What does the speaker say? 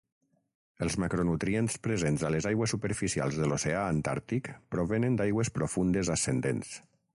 Els macronutrients presents a les aigües superficials de l'oceà Antàrtic provenen d'aigües profundes ascendents.